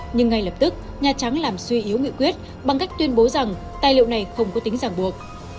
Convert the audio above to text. nhưng ngay lập tức nhà trắng làm suy yếu nghị quyết bằng cách tuyên bố rằng tài liệu này không có tính giảng buộc